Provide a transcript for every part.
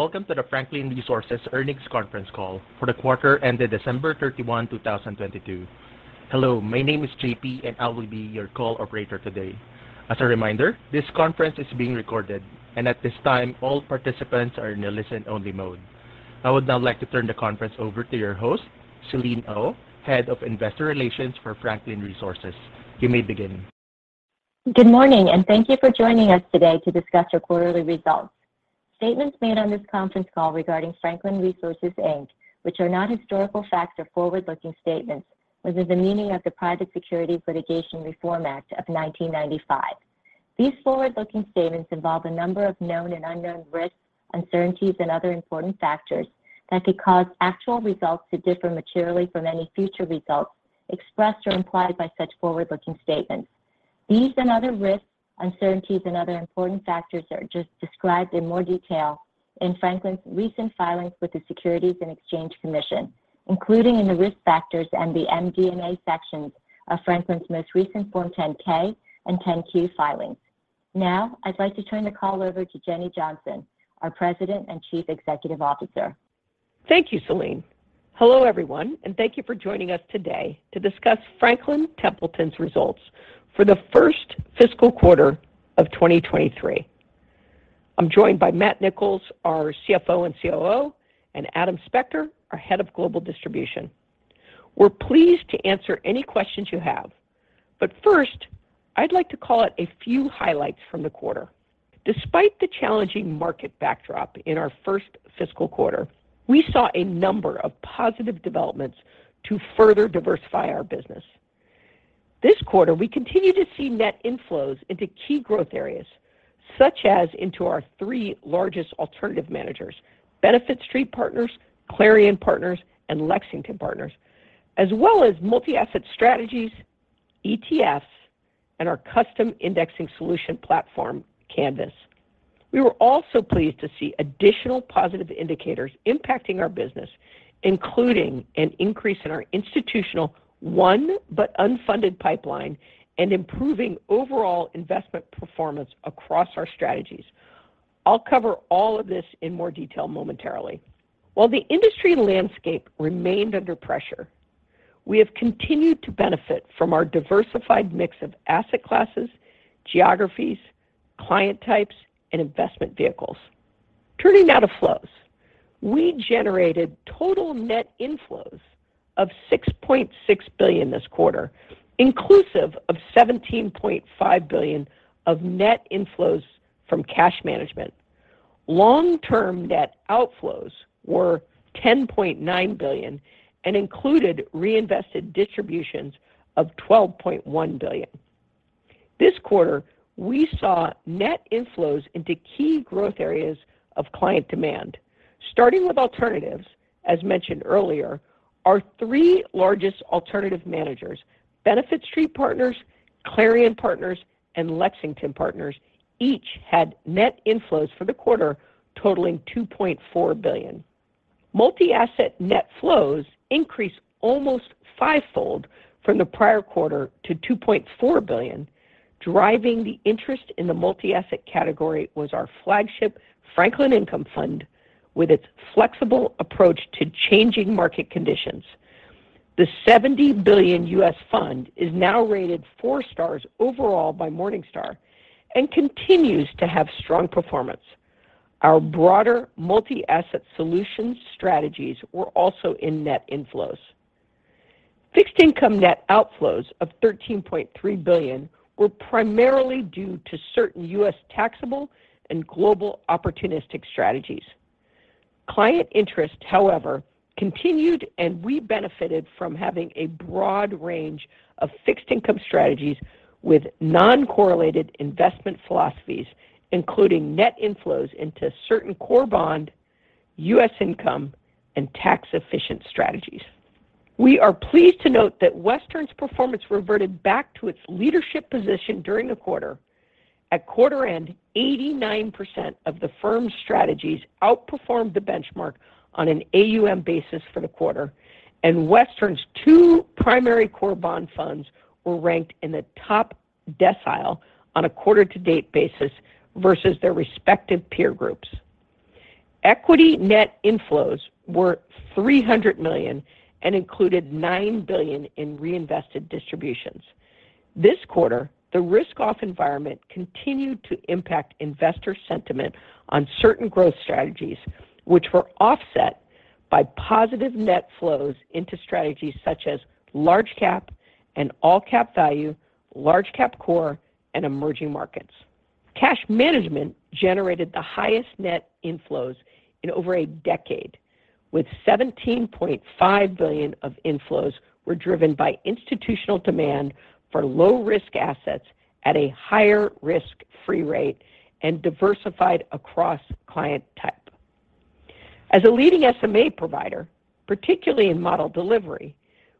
Welcome to the Franklin Resources Earnings Conference Call for the quarter ended December 31, 2022. Hello, my name is J.P. I will be your call operator today. As a reminder, this conference is being recorded and at this time all participants are in a listen only mode. I would now like to turn the conference over to your host, Selene Oh, Head of Investor Relations for Franklin Resources. You may begin. Good morning, thank you for joining us today to discuss our quarterly results. Statements made on this conference call regarding Franklin Resources. which are not historical facts or forward-looking statements within the meaning of the Private Securities Litigation Reform Act of 1995. These forward-looking statements involve a number of known and unknown risks, uncertainties and other important factors that could cause actual results to differ materially from any future results expressed or implied by such forward-looking statements. These other risks, uncertainties and other important factors are just described in more detail in Franklin's recent filings with the Securities and Exchange Commission, including in the Risk Factors and the MD&A sections of Franklin's most recent Form 10-K and 10-Q filings. Now I'd like to turn the call over to Jenny Johnson, our President and Chief Executive Officer. Thank you, Selene. Hello, everyone, and thank you for joining us today to discuss Franklin Templeton's results for the first fiscal quarter of 2023. I'm joined by Matthew Nicholls, our CFO and COO, and Adam Spector, our Head of Global Distribution. We're pleased to answer any questions you have. First I'd like to call out a few highlights from the quarter. Despite the challenging market backdrop in our first fiscal quarter, we saw a number of positive developments to further diversify our business. This quarter we continue to see net inflows into key growth areas such as into our three largest alternative managers Benefit Street Partners, Clarion Partners and Lexington Partners, as well as Multi-Asset Strategies, ETFs and our custom indexing solution platform, Canvas. We were also pleased to see additional positive indicators impacting our business, including an increase in our institutional won but unfunded pipeline and improving overall investment performance across our strategies. I'll cover all of this in more detail momentarily. While the industry landscape remained under pressure, we have continued to benefit from our diversified mix of asset classes, geographies, client types and investment vehicles. Turning now to flows. We generated total net inflows of $6.6 billion this quarter, inclusive of $17.5 billion of net inflows from cash management. Long term net outflows were $10.9 billion and included reinvested distributions of $12.1 billion. This quarter we saw net inflows into key growth areas of client demand. Starting with alternatives, as mentioned earlier, our three largest alternative managers, Benefit Street Partners, Clarion Partners and Lexington Partners each had net inflows for the quarter totaling $2.4 billion. Multi-asset net flows increased almost fivefold from the prior quarter to $2.4 billion. Driving the interest in the multi-asset category was our flagship Franklin Income Fund with its flexible approach to changing market conditions. The $70 billion U.S. fund is now rated four stars overall by Morningstar and continues to have strong performance. Our broader multi-asset solutions strategies were also in net inflows. Fixed income net outflows of $13.3 billion were primarily due to certain U.S. taxable and global opportunistic strategies. Client interest, however continued and we benefited from having a broad range of fixed income strategies with non-correlated investment philosophies, including net inflows into certain Core Bond U.S. income and tax efficient strategies. We are pleased to note that Western's performance reverted back to its leadership position during the quarter. At quarter end, 89% of the firm's strategies outperformed the benchmark on an AUM basis for the quarter, and Western's two primary Core Bond funds were ranked in the top decile on a quarter-to-date basis versus their respective peer groups. Equity net inflows were $300 million and included $9 billion in reinvested distributions. This quarter, the risk-off environment continued to impact investor sentiment on certain growth strategies which were offset by positive net flows into strategies such as large cap and all cap value, large cap core and emerging markets. Cash management generated the highest net inflows in over a decade with $17.5 billion of inflows were driven by institutional demand for low risk assets at a higher risk-free rate and diversified across client type. As a leading SMA provider, particularly in model delivery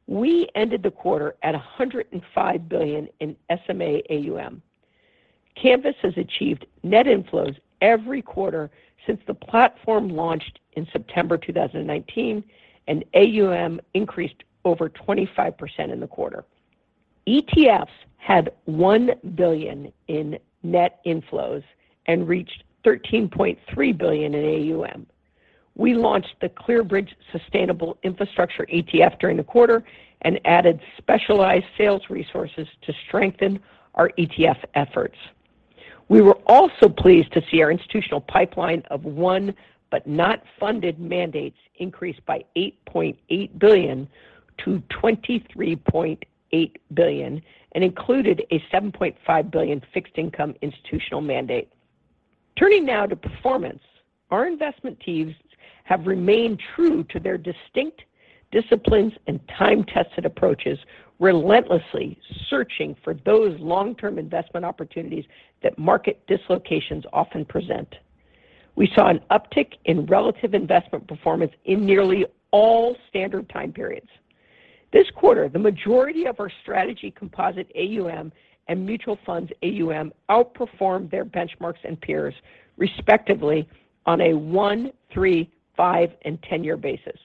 we ended the quarter at $105 billion in SMA AUM. Canvas has achieved net inflows every quarter since the platform launched in September 2019 and AUM increased over 25% in the quarter. ETFs had $1 billion in net inflows and reached $13.3 billion in AUM. We launched the ClearBridge Sustainable Infrastructure ETF during the quarter and added specialized sales resources to strengthen our ETF efforts. We were also pleased to see our institutional pipeline of won but not funded mandates increase by $8.8 billion to $23.8 billion and included a $7.5 billion fixed income institutional mandate. Turning now to performance. Our investment teams have remained true to their distinct disciplines and time-tested approaches, relentlessly searching for those long-term investment opportunities that market dislocations often present. We saw an uptick in relative investment performance in nearly all standard time periods this quarter. The majority of our strategy composite AUM and mutual funds AUM outperformed their benchmarks and peers respectively on a one, three, five, and 10-year basis.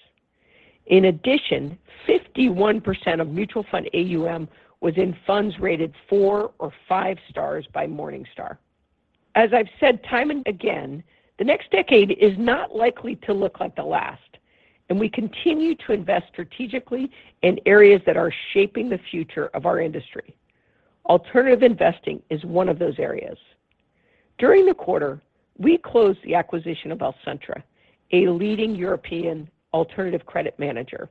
In addition, 51% of mutual fund AUM was in funds rated four or five stars by Morningstar. As I've said time and again, the next decade is not likely to look like the last, and we continue to invest strategically in areas that are shaping the future of our industry. Alternative investing is one of those areas. During the quarter, we closed the acquisition of Alcentra, a leading European alternative credit manager.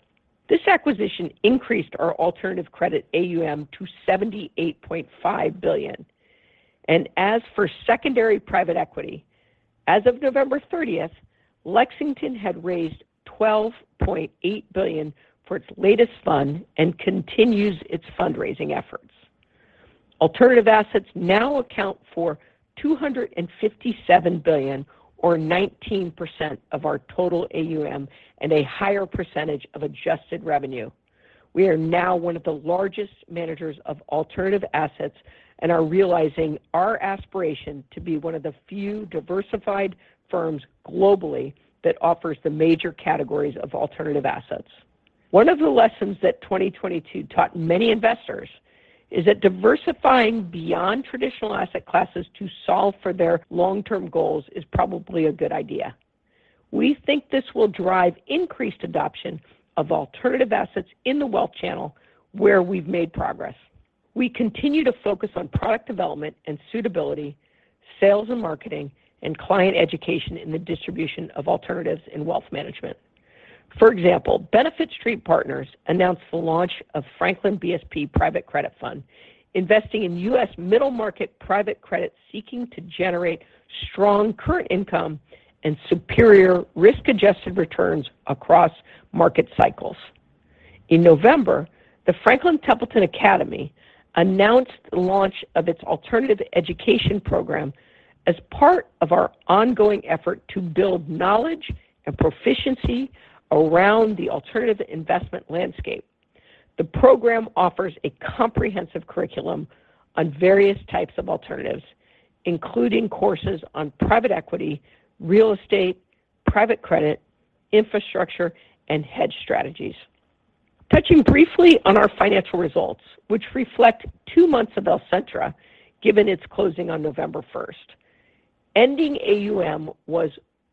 This acquisition increased our alternative credit AUM to $78.5 billion. As for secondary private equity, as of November 30th, Lexington had raised $12.8 billion for its latest fund and continues its fundraising efforts. Alternative assets now account for $257 billion or 19% of our total AUM and a higher percentage of adjusted revenue. We are now one of the largest managers of alternative assets and are realizing our aspiration to be one of the few diversified firms globally that offers the major categories of alternative assets. One of the lessons that 2022 taught many investors is that diversifying beyond traditional asset classes to solve for their long-term goals is probably a good idea. We think this will drive increased adoption of alternative assets in the wealth channel where we've made progress. We continue to focus on product development and suitability, sales and marketing, and client education in the distribution of alternatives in wealth management. For example, Benefit Street Partners announced the launch of Franklin BSP Private Credit Fund, investing in U.S. middle market private credit, seeking to generate strong current income and superior risk-adjusted returns across market cycles. In November, the Franklin Templeton Academy announced the launch of its alternative education program as part of our ongoing effort to build knowledge and proficiency around the alternative investment landscape. The program offers a comprehensive curriculum on various types of alternatives, including courses on private equity, real estate, private credit, infrastructure, and hedge strategies. Touching briefly on our financial results, which reflect two months of Alcentra given its closing on November first. Ending AUM was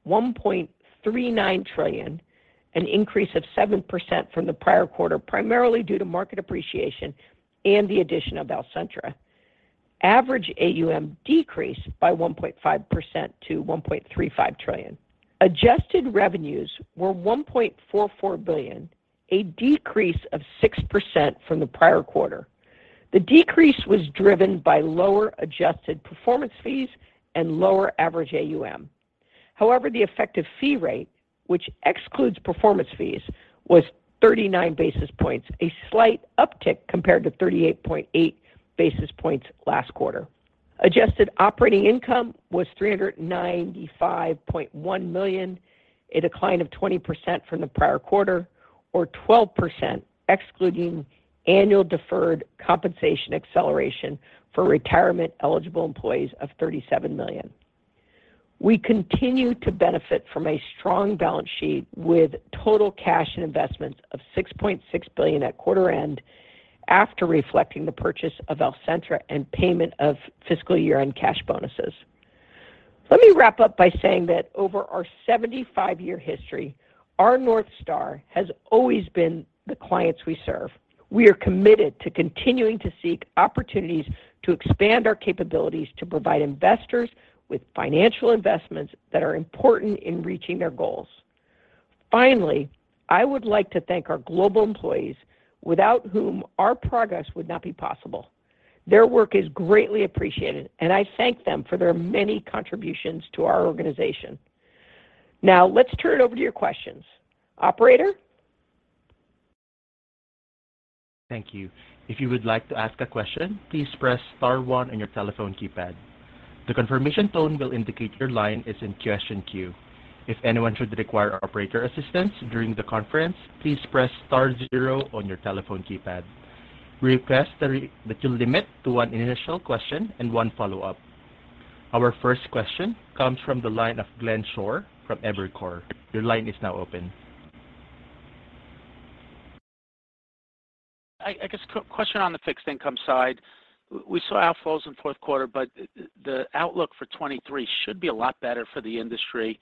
$1.39 trillion, an increase of 7% from the prior quarter, primarily due to market appreciation and the addition of Alcentra. Average AUM decreased by 1.5% to $1.35 trillion. Adjusted revenues were $1.44 billion, a decrease of 6% from the prior quarter. The decrease was driven by lower adjusted performance fees and lower average AUM. The effective fee rate, which excludes performance fees, was 39 basis points a slight uptick compared to 38.8 basis points last quarter. Adjusted operating income was $395.1 million, a decline of 20% from the prior quarter, or 12% excluding annual deferred compensation acceleration for retirement-eligible employees of $37 million. We continue to benefit from a strong balance sheet with total cash and investments of $6.6 billion at quarter end after reflecting the purchase of Alcentra and payment of fiscal year-end cash bonuses. Let me wrap up by saying that over our 75-year history, our North Star has always been the clients we serve. We are committed to continuing to seek opportunities to expand our capabilities to provide investors with financial investments that are important in reaching their goals. Finally, I would like to thank our global employee without whom our progress would not be possible. Their work is greatly appreciated, and I thank them for their many contributions to our organization. Now let's turn it over to your questions. Operator? Thank you. If you would like to ask a question, please press star one on your telephone keypad. The confirmation tone will indicate your line is in question queue. If anyone should require operator assistance during the conference, please press star zero on your telephone keypad. We request that you limit to one initial question and one follow-up. Our first question comes from the line of Glenn Schorr from Evercore. Your line is now open. I guess, question on the fixed income side. We saw outflows in fourth quarter, the outlook for 23 should be a lot better for the industry.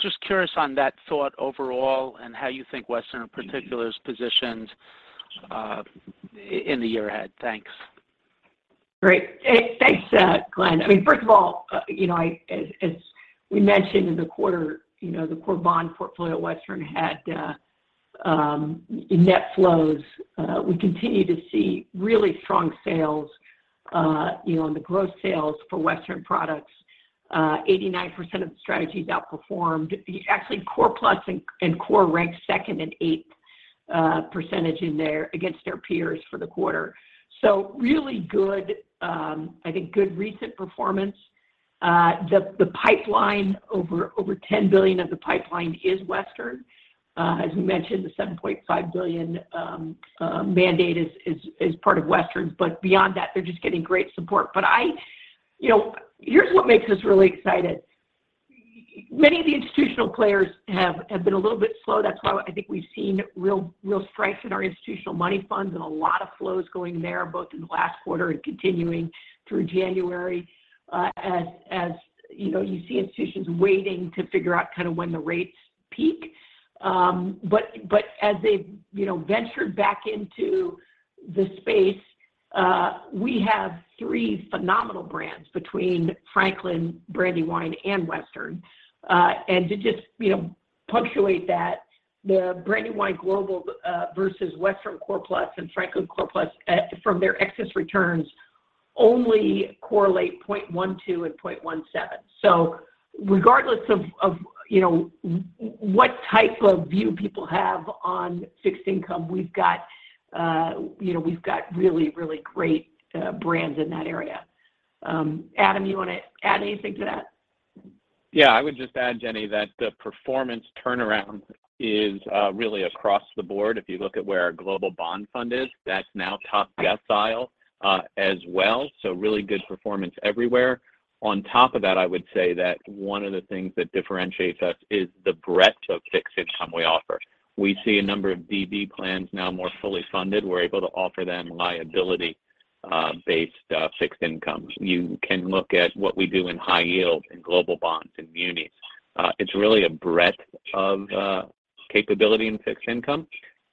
Just curious on that thought overall and how you think Western in particular is positioned in the year ahead. Thanks. Great. Thanks, Glenn. I mean, first of all, you know, as we mentioned in the quarter, you know, the Core Bond portfolio at Western Asset had net flows. We continue to see really strong sales, you know, in the growth sales for Western Asset products. 89% of the strategies outperformed. Actually, Core Plus and Core ranked second and eighth percentage against their peers for the quarter. Really good, I think, good recent performance. The pipeline over $10 billion of the pipeline is Western Asset. As we mentioned, the $7.5 billion mandate is part of Western Asset. Beyond that, they're just getting great support. You know, here's what makes us really excited. Many of the institutional players have been a little bit slow. That's why I think we've seen real strength in our institutional money funds and a lot of flows going there, both in the last quarter and continuing through January, as, you know, you see institutions waiting to figure out kind of when the rates peak. As they've, you know, ventured back into the space, we have three phenomenal brands between Franklin, Brandywine, and Western. To just, you know, punctuate that the Brandywine Global versus Western Core Plus and Franklin Core Plus, from their excess returns only correlate 0.12 and 0.17. Regardless of, you know, what type of view people have on fixed income. We've got, you know, really great brands in that area. Adam, you want to add anything to that? Yeah. I would just add, Jenny, that the performance turnaround is really across the board. If you look at where our Global Bond Fund is, that's now top decile as well. Really good performance everywhere. On top of that, I would say that one of the things that differentiates us is the breadth of fixed income we offer. We see a number of DB plans now more fully funded. We're able to offer them liability based fixed incomes. You can look at what we do in high yield in global bonds in munis. It's really a breadth of capability in fixed income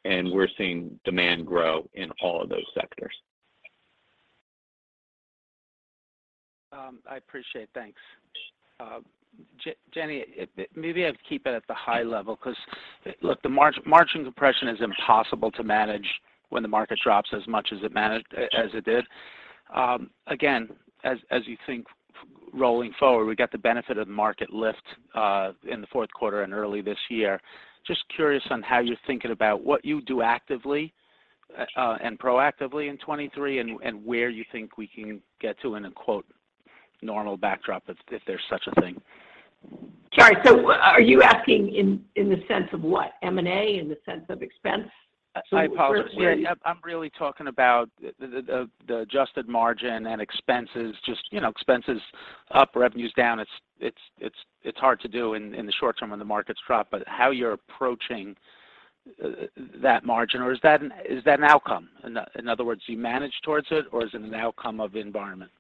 and we're seeing demand grow in all of those sectors. I appreciate. Thanks. Jenny, maybe I keep it at the high level because look the margin compression is impossible to manage when the market drops as much as it did. Again, as you think rolling forward. We got the benefit of the market lift in the fourth quarter and early this year. Just curious on how you're thinking about what you do actively and proactively in 2023 and where you think we can get to in a quot normal backdrop if there's such a thing. Sorry. Are you asking in the sense of what? M&A, in the sense of expense? I apologize. Yeah. I'm really talking about the adjusted margin and expenses, just, you know, expenses up revenues down. It's hard to do in the short term when the markets drop. How you're approaching that margin or is that an outcome? In other words, do you manage towards it or is it an outcome of the environment?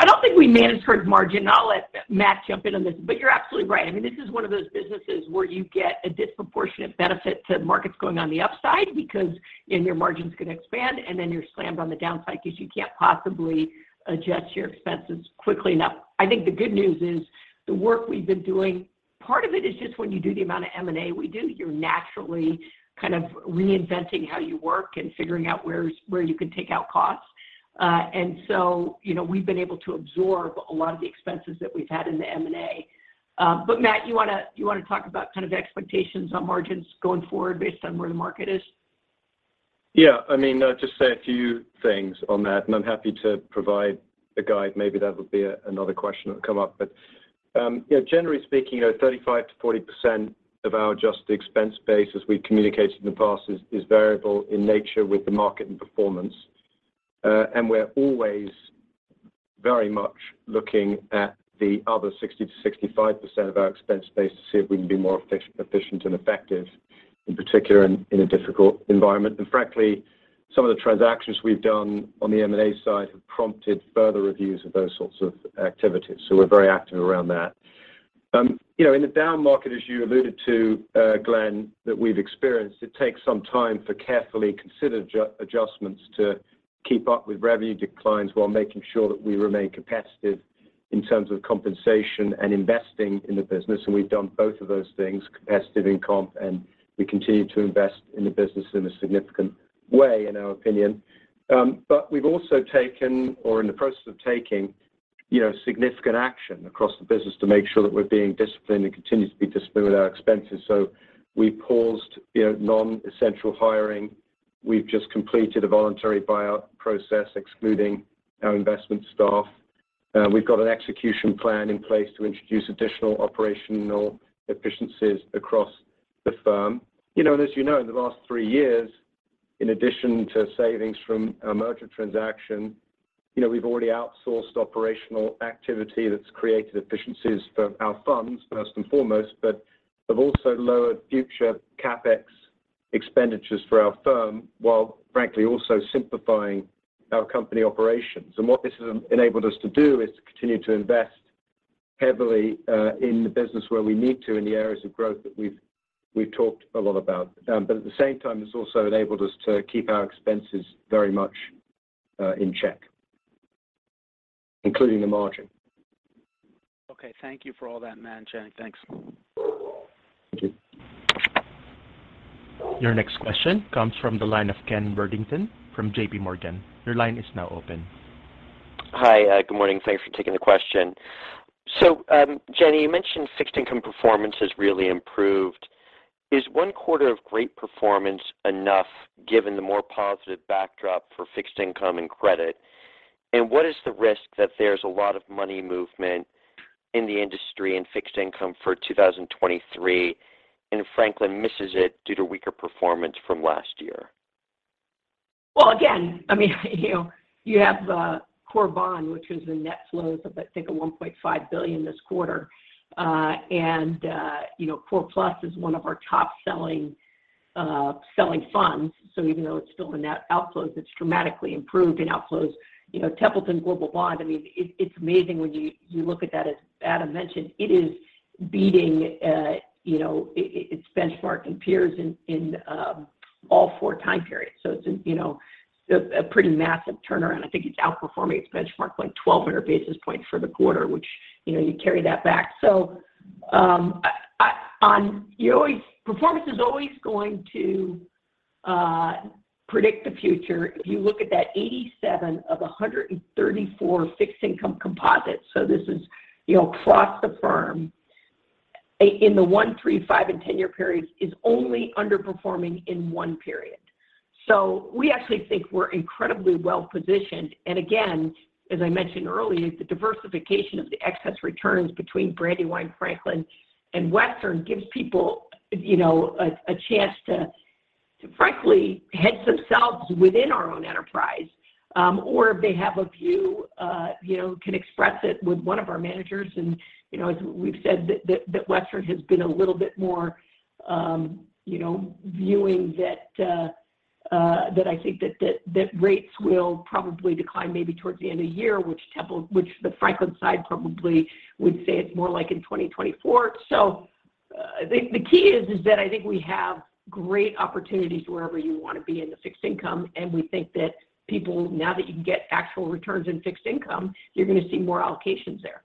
I don't think we manage towards margin. I'll let Matt jump in on this. You're absolutely right. I mean, this is one of those businesses where you get a disproportionate benefit to markets going on the upside because then your margins can expand, and then you're slammed on the downside because you can't possibly adjust your expenses quickly enough. I think the good news is the work we've been doing, part of it is just when you do the amount of M&A we do, you're naturally kind of reinventing how you work and figuring out where you can take out costs. You know, we've been able to absorb a lot of the expenses that we've had in the M&A. Matt, you wanna talk about kind of expectations on margins going forward based on where the market is? Yeah. I mean, just say a few things on that, and I'm happy to provide a guide. Maybe that would be another question that will come up. you know, generally speaking, you know, 35%-40% of our adjusted expense base as we communicated in the past is variable in nature with the market and performance. We're always very much looking at the other 60%-65% of our expense base to see if we can be more efficient and effective in particular in a difficult environment. Frankly, some of the transactions we've done on the M&A side have prompted further reviews of those sorts of activities. We're very active around that. you know, in the down market, as you alluded to Glenn, that we've experienced. It takes some time for carefully considered adjustments to keep up with revenue declines while making sure that we remain competitive in terms of compensation and investing in the business. We've done both of those things, competitive in comp, and we continue to invest in the business in a significant way in our opinion. We've also taken or in the process of taking, you know, significant action across the business to make sure that we're being disciplined and continue to be disciplined with our expenses. We paused, you know, non-essential hiring. We've just completed a voluntary buyout process, excluding our investment staff. We've got an execution plan in place to introduce additional operational efficiencies across the firm. You know, as you know, in the last three years. In addition to savings from a merger transaction, you know, we've already outsourced operational activity that's created efficiencies for our funds first and foremost, but have also lowered future CapEx expenditures for our firm, while frankly also simplifying our company operations. What this has enabled us to do is to continue to invest heavily in the business where we need to in the areas of growth that we've talked a lot about. At the same time, it's also enabled us to keep our expenses very much in check, including the margin. Okey, thank you for all that, Matt and Jenny. Thanks. Thank you. Your next question comes from the line of Kenneth Worthington from JPMorgan. Your line is now open. Hi. Good morning. Thanks for taking the question. Jenny Johnson, you mentioned fixed income performance has really improved. Is Q1 of great performance enough given the more positive backdrop for fixed income and credit? What is the risk that there's a lot of money movement in the industry in fixed income for 2023, and Franklin misses it due to weaker performance from last year? Well, again, I mean, you know, you have Core Bond, which was the net flows of, I think, of $1.5 billion this quarter. And, you know, Core Plus is one of our top-selling selling funds. Even though it's still in net outflows, it's dramatically improved in outflows. You knowf, Templeton Global Bond I mean, it's amazing when you look at that. As Adam mentioned, it is beating, you know, It's benchmark and peers in all four time periods. It's a, you know, a pretty massive turnaround. I think it's outperforming its benchmark by 1,200 basis points for the quarter, which, you know, you carry that back. You always Performance is always going to predict the future. If you look at that 87 of 134 fixed income composites, this is, you know, across the firm, in the one, three, five, and 10-year periods is only underperforming in one period. We actually think we're incredibly well-positioned. Again, as I mentioned earlier, the diversification of the excess returns between Brandywine, Franklin and Western gives people, you know, a chance to frankly hedge themselves within our own enterprise. If they have a view, you know, can express it with one of our managers. You know, as we've said, that Western has been a little bit more, you know, viewing that I think that rates will probably decline maybe towards the end of year, which the Franklin side probably would say it's more like in 2024. The key is that I think we have great opportunities wherever you wanna be in the fixed income, and we think that people, now that you can get actual returns in fixed income, you're gonna see more allocations there.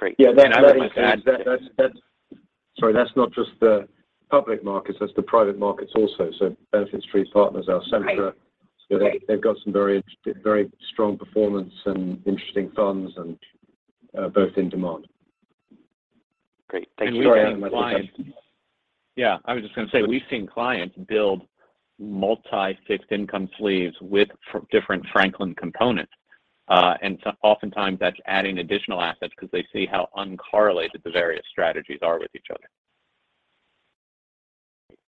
Great. Yeah. Sorry, that's not just the public markets, that's the private markets also. Benefit Street Partners, Alcentra. Right. Right. They've got some very strong performance and interesting funds and, both in demand. Great. Thank you. Sorry, Adam, I think you had something. Yeah. I was just gonna say, we've seen clients build multi-fixed income sleeves with different Franklin components. Oftentimes that's adding additional assets because they see how uncorrelated the various strategies are with each other.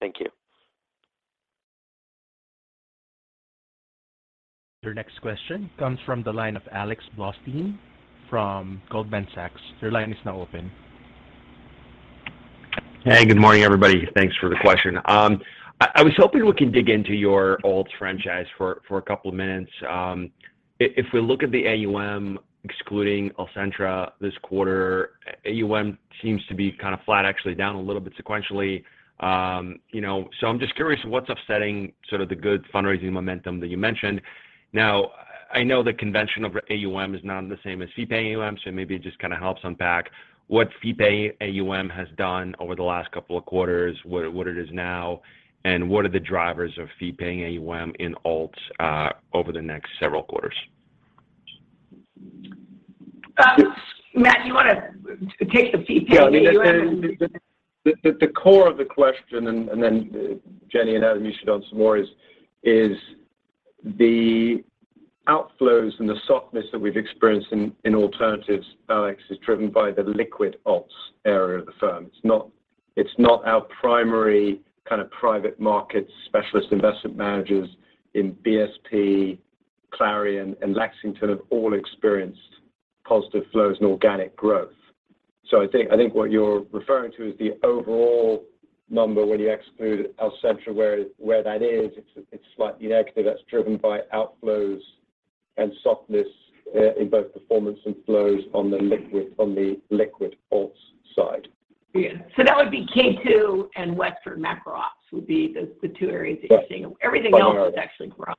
Thank you. Your next question comes from the line of Alexander Blostein from Goldman Sachs. Your line is now open. Hey, good morning, everybody. Thanks for the question. I was hoping we can dig into your alts franchise for a couple of minutes. If we look at the AUM excluding Alcentra this quarter, AUM seems to be kind of flat, actually down a little bit sequentially. You know, so I'm just curious what's upsetting sort of the good fundraising momentum that you mentioned. I know the convention over AUM is not the same as fee-paying AUM, so maybe it just kinda helps unpack what fee-paying AUM has done over the last couple of quarters, what it is now, and what are the drivers of fee-paying AUM in alts over the next several quarters. Matt, do you wanna take the fee-paying AUM. Yeah, I mean, the core of the question and then Jenny and Adam, you should add some more is the outflows and the softness that we've experienced in alternatives, Alex, is driven by the liquid alts area of the firm. It's not our primary kind of private market specialist investment managers in BSP, Clarion Partners, and Lexington Partners have all experienced positive flows and organic growth. I think what you're referring to is the overall number when you exclude Alcentra, where that is, it's slightly negative. That's driven by outflows and softness in both performance and flows on the liquid alts side. Yeah. That would be K2 and Western Macro Ops would be the two areas that you're seeing. Everything else has actually grown.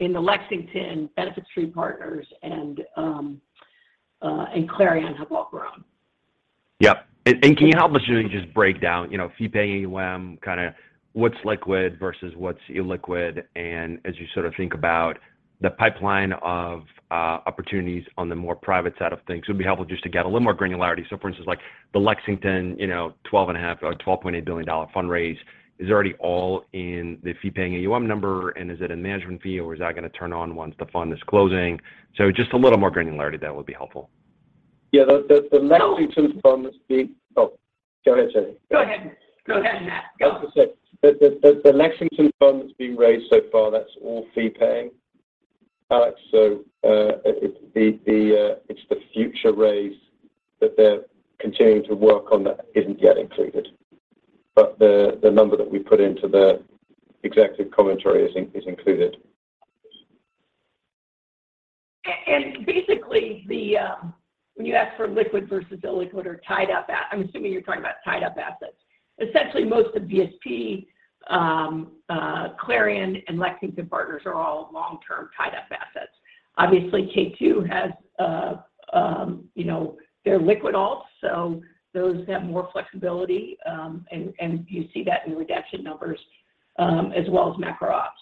The Lexington, Benefit Street Partners, and Clarion have all grown. Yep. And can you help us really just break down, you know, fee-paying AUM, kinda what's liquid versus what's illiquid, and as you sort of think about the pipeline of opportunities on the more private side of things. It would be helpful just to get a little more granularity. For instance, like the Lexington, you know, $12.5 billion or $12.8 billion fundraise, is it already all in the fee-paying AUM number, and is it a management fee, or is that gonna turn on once the fund is closing? Just a little more granularity there would be helpful. Yeah, the Lexington fund that's being... Oh, go ahead, Terry. Go ahead. Go ahead, Matt. Go. I was gonna say, the Lexington fund that's being raised so far, that's all fee paying, Alex. It's the future raise that they're continuing to work on that isn't yet included. The number that we put into the executive commentary is included. Basically, when you ask for liquid versus illiquid or tied up, I'm assuming you're talking about tied up assets. Essentially, most of BSP, Clarion Partners and Lexington Partners are all long-term tied up assets. Obviously, K2 Advisors has, you know, they're liquid alts, so those have more flexibility and you see that in redemption numbers, as well as Macro Ops.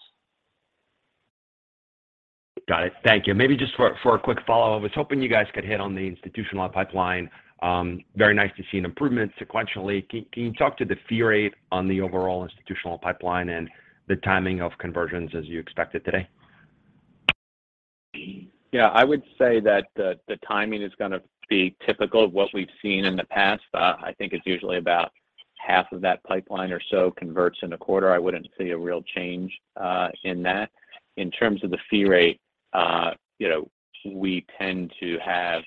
Got it. Thank you. Maybe just for a quick follow-up. I was hoping you guys could hit on the institutional pipeline. Very nice to see an improvement sequentially. Can you talk to the fee rate on the overall institutional pipeline and the timing of conversions as you expect it today? Yeah, I would say that the timing is gonna be typical of what we've seen in the past. I think it's usually about half of that pipeline or so converts in a quarter. I wouldn't see a real change in that. In terms of the fee rate, you know, we tend to have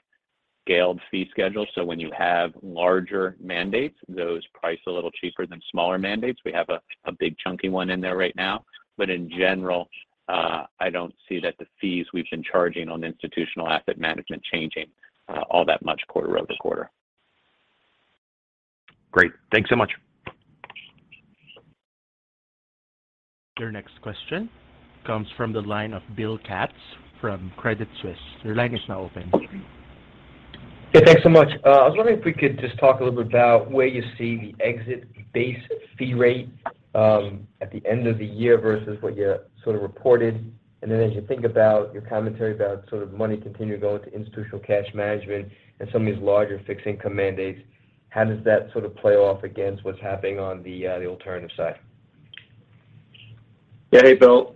scaled fee schedules. When you have larger mandates, those price a little cheaper than smaller mandates. We have a big chunky one in there right now. In general, I don't see that the fees we've been charging on institutional asset management changing all that much quarter-over-quarter. Great. Thanks so much. Your next question comes from the line of William Katz from Credit Suisse. Your line is now open. Yeah, thanks so much. I was wondering if we could just talk a little bit about where you see the exit base fee rate at the end of the year versus what you sort of reported. As you think about your commentary about sort of money continuing to go into institutional cash management and some of these larger fixed income mandates, how does that sort of play off against what's happening on the alternative side? Yeah. Hey, Will.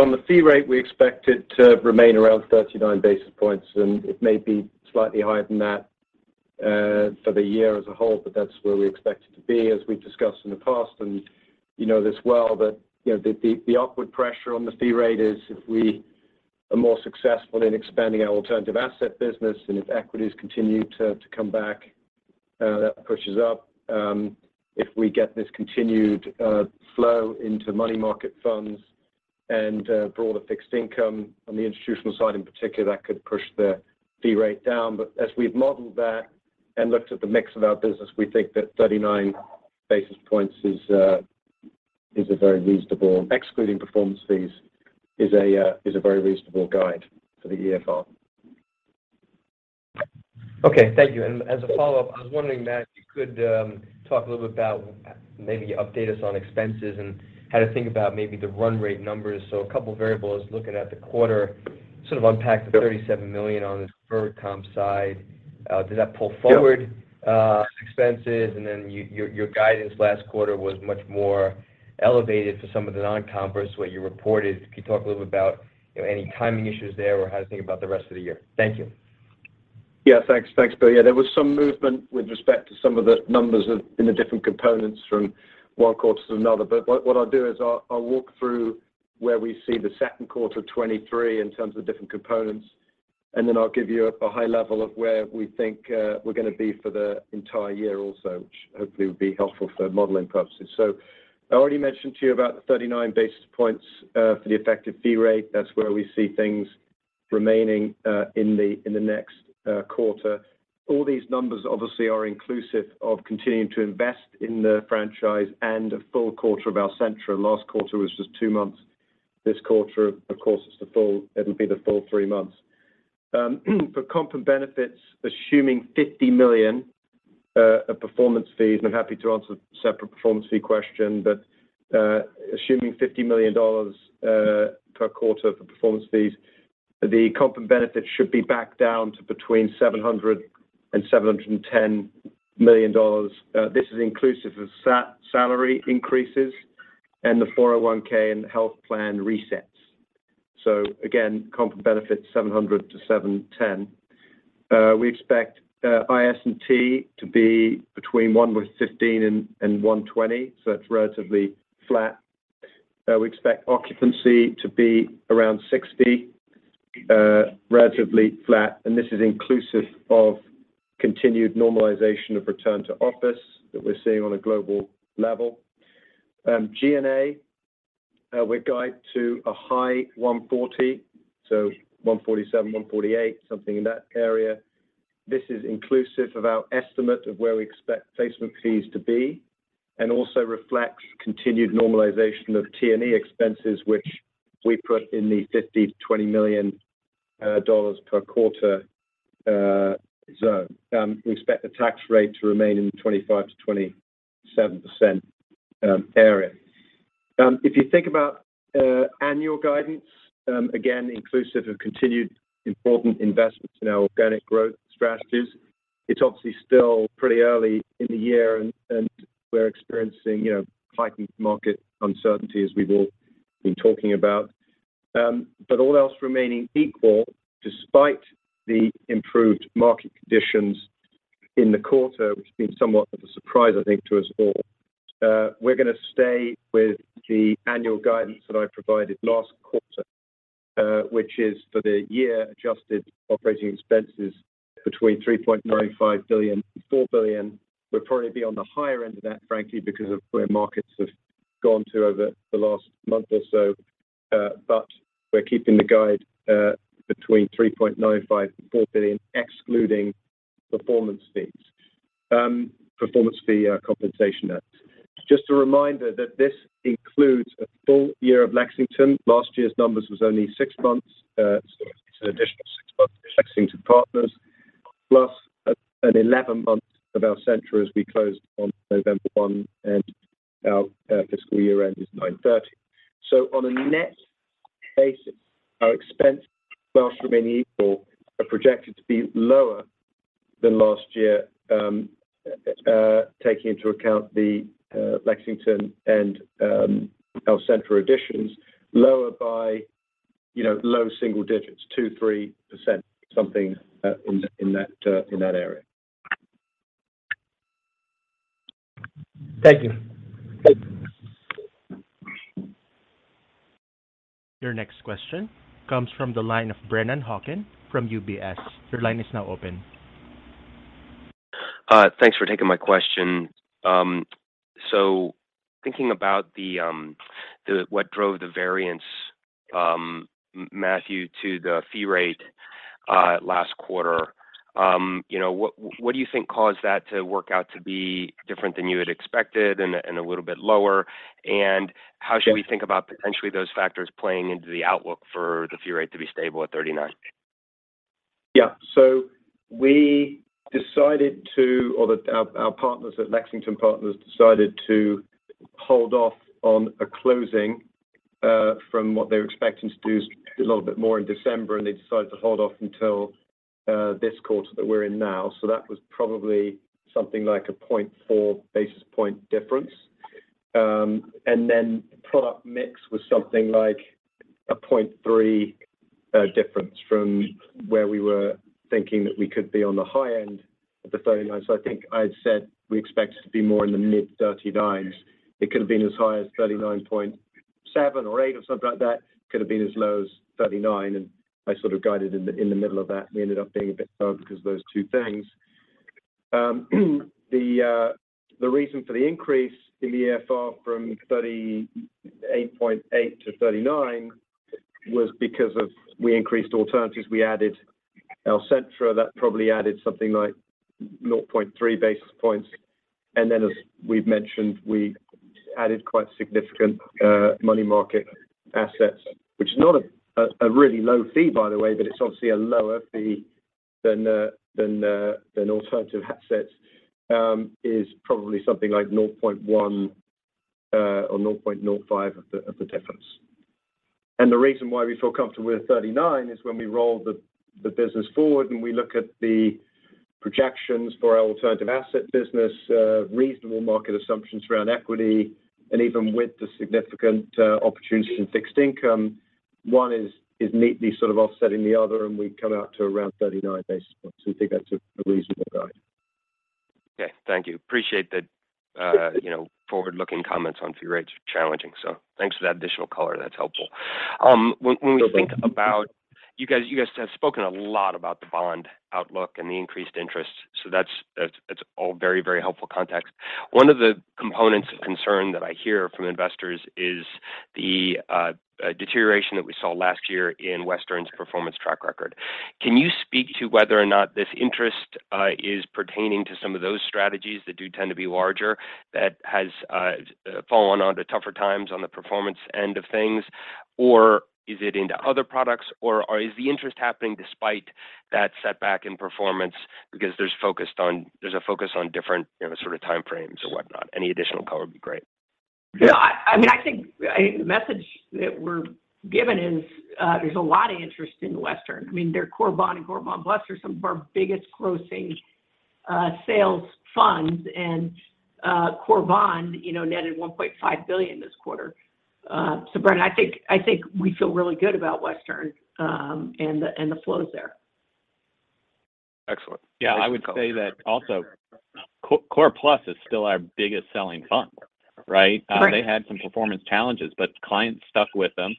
On the fee rate, we expect it to remain around 39 basis points, and it may be slightly higher than that for the year as a whole. That's where we expect it to be. As we've discussed in the past, and you know this well, that, you know, the upward pressure on the fee rate is if we are more successful in expanding our alternative asset business and if equities continue to come back, that pushes up. If we get this continued flow into money market funds and broader fixed income on the institutional side in particular, that could push the fee rate down. As we've modeled that and looked at the mix of our business, we think that 39 basis points excluding performance fees, is a very reasonable guide for the AFR. Okay. Thank you. As a follow-up, I was wondering, Matt, if you could talk a little bit about, maybe update us on expenses and how to think about maybe the run rate numbers. A couple variables looking at the quarter, sort of unpack the $37 million on the deferred comp side. Did that pull forward? Sure... expenses? Your guidance last quarter was much more elevated to some of the non-comp versus what you reported. Could you talk a little bit about, you know, any timing issues there or how to think about the rest of the year? Thank you. Thanks. Thanks, Will. There was some movement with respect to some of the numbers in the different components from Q1 to another. What I'll do is I'll walk through where we see the Q2 2023 in terms of different components, and then I'll give you a high level of where we think we're gonna be for the entire year also, which hopefully will be helpful for modeling purposes. I already mentioned to you about the 39 basis points for the effective fee rate. That's where we see things remaining in the next quarter. All these numbers obviously are inclusive of continuing to invest in the franchise and a full quarter of Alcentra. Last quarter was just two months. This quarter, of course, it'll be the full three months. For comp and benefits, assuming $50 million of performance fees, and I'm happy to answer a separate performance fee question. Assuming $50 million per quarter for performance fees, the comp and benefits should be back down to between $700 million and $710 million. This is inclusive of salary increases and the 401(k) and health plan resets. Again, comp and benefits, $700 million-$710 million. We expect IS&T to be between $115 million and $120 million, so it's relatively flat. We expect occupancy to be around $60 million, relatively flat, and this is inclusive of continued normalization of return to office that we're seeing on a global level. G&A, we guide to a high $140 million, so $147 million, $148 million, something in that area. This is inclusive of our estimate of where we expect placement fees to be and also reflects continued normalization of T&E expenses, which we put in the $50 million-$20 million per quarter zone. We expect the tax rate to remain in the 25%-27% area. If you think about annual guidance, again, inclusive of continued important investments in our organic growth strategies. It's obviously still pretty early in the year and we're experiencing, you know, fighting market uncertainty as we've all been talking about. All else remaining equal, despite the improved market conditions in the quarter, which has been somewhat of a surprise, I think, to us all, we're gonna stay with the annual guidance that I provided last quarter, which is for the year adjusted operating expenses between $3.95 billion and $4 billion. We'll probably be on the higher end of that, frankly, because of where markets have gone to over the last month or so. We're keeping the guide between $3.95 billion and $4 billion, excluding performance fees, performance fee compensation. Just a reminder that this includes a full year of Lexington. Last year's numbers was only six months. It's an additional six months of Lexington Partners, plus an 11 month of Alcentra as we closed on November one, and our fiscal year end is 9/30. On a net basis our expenses whilst remaining equal, are projected to be lower than last year taking into account the Lexington and Alcentra additions. Lower by, you know, low single digits, 2%-3%, something in that area. Thank you. Your next question comes from the line of Brennan Hawken from UBS. Your line is now open. Thanks for taking my question. Thinking about what drove the variance, Matthew, to the fee rate last quarter, you know, what do you think caused that to work out to be different than you had expected and a little bit lower? How should we think about potentially those factors playing into the outlook for the fee rate to be stable at 39? We decided to, or that our partners at Lexington Partners decided to hold off on a closing, from what they were expecting to do a little bit more in December, and they decided to hold off until this quarter that we're in now. That was probably something like a 0.4 basis point difference. Product mix was something like a 0.3 difference from where we were thinking that we could be on the high end of the 39. I think I'd said we expect to be more in the mid thirty-nines. It could have been as high as 39.7 or eight or something like that. Could have been as low as 39, and I sort of guided in the middle of that. We ended up being a bit low because of those two things. The reason for the increase in the FR from 38.8 to 39 was because of we increased alternatives. We added Alcentra. That probably added something like 0.3 basis points. As we've mentioned, we added quite significant money market assets, which is not a really low fee by the way, but it's obviously a lower fee than alternative assets is probably something like 0.1 or 0.05 of the difference. The reason why we feel comfortable with 39 is when we roll the business forward and we look at the projections for our alternative asset business, reasonable market assumptions around equity and even with the significant opportunities in fixed income, one is neatly sort of offsetting the other and we come out to around 39 basis points. We think that's a reasonable guide. Okay. Thank you. Appreciate that, you know, forward-looking comments on fee rates challenging. Thanks for that additional color. That's helpful. No problem. When we think about You guys have spoken a lot about the bond outlook and the increased interest. That's, it's all very, very helpful context. One of the components of concern that I hear from investors is the deterioration that we saw last year in Western's performance track record. Can you speak to whether or not this interest is pertaining to some of those strategies that do tend to be larger that has fallen on to tougher times on the performance end of things? Is it into other products or is the interest happening despite that setback in performance because there's a focus on different, you know, sort of time frames or whatnot? Any additional color would be great. Yeah, I mean, I think the message that we're given is, there's a lot of interest in Western. I mean, their Core Bond and Core Bond Plus are some of our biggest grossing, sales funds. Core Bond, you know, netted $1.5 billion this quarter. Brennan, I think we feel really good about Western, and the flows there. Excellent. Yeah, I would say that also Core Plus is still our biggest selling fund, right? Right. They had some performance challenges, but clients stuck with them.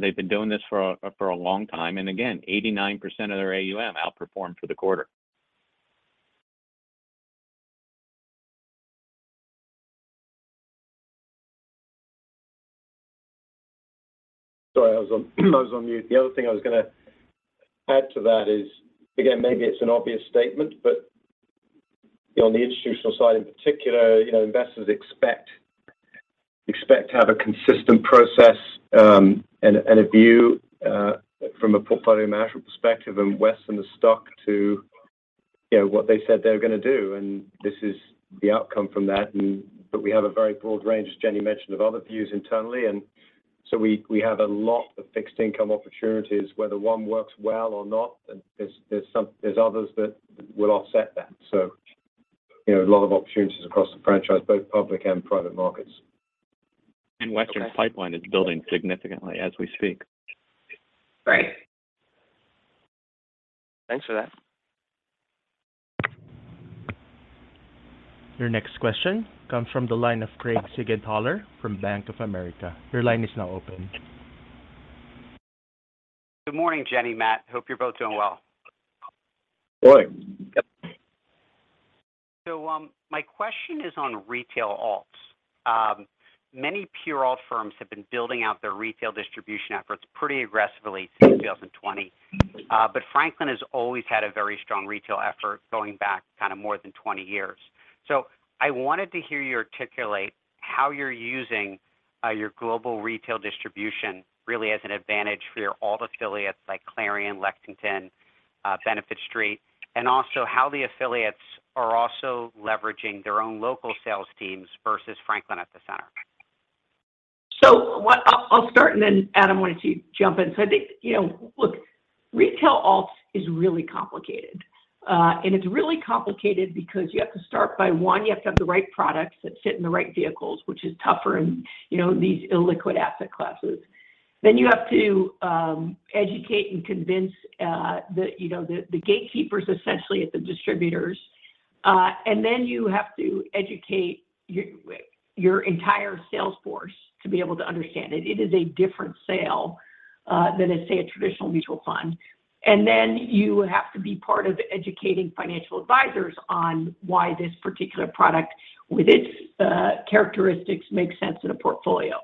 They've been doing this for a long time. Again, 89% of their AUM outperformed for the quarter. Sorry, I was on mute. The other thing I was gonna add to that is, again, maybe it's an obvious statement, but on the institutional side in particular, you know, investors expect to have a consistent process, and a view from a portfolio management perspective. Western is stuck to, you know, what they said they were gonna do. This is the outcome from that. But we have a very broad range, as Jenny mentioned, of other views internally. We have a lot of fixed income opportunities. Whether one works well or not, then there's others that will offset that. You know, a lot of opportunities across the franchise, both public and private markets. Western Asset is building significantly as we speak. Right. Thanks for that. Your next question comes from the line of Craig Siegenthaler from Bank of America. Your line is now open. Good morning, Jenny, Matt. Hope you're both doing well. Good morning. Yep. My question is on retail alts. Many pure alt firms have been building out their retail distribution efforts pretty aggressively since 2020. Franklin has always had a very strong retail effort going back kinda more than 20 years. I wanted to hear you articulate how you're using your global retail distribution really as an advantage for your alt affiliates like Clarion, Lexington, Benefit Street, and also how the affiliates are also leveraging their own local sales teams versus Franklin at the center. I'll start. Adam, why don't you jump in. I think, you know, look, retail alts is really complicated. It's really complicated because you have to start by, one, you have to have the right products that fit in the right vehicles, which is tougher in, you know, these illiquid asset classes. You have to educate and convince the, you know, the gatekeepers essentially at the distributors. You have to educate your entire sales force to be able to understand it. It is a different sale than let's say a traditional mutual fund. You have to be part of educating financial advisors on why this particular product with its characteristics makes sense in a portfolio.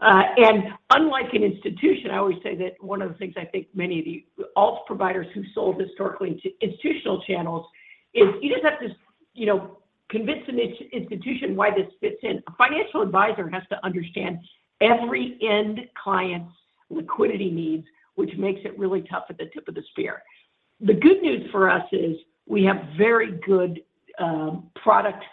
Unlike an institution, I always say that one of the things I think many of the alts providers who sold historically into institutional channels is you just have to, you know, convince an institution why this fits in. A financial advisor has to understand every end client's liquidity needs, which makes it really tough at the tip of the spear. The good news for us is we have very good product